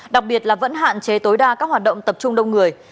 đặc biệt là vẫn hạn chế tối đa các hoạt động tập trung đông người